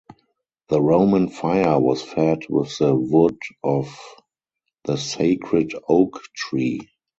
The Roman fire was fed with the wood of the sacred oak tree.